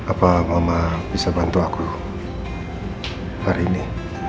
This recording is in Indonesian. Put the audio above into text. apa mama bisa bantu aku hari ini